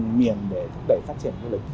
giữa các miền để thúc đẩy phát triển du lịch